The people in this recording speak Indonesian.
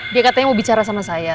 dia katanya mau bicara sama saya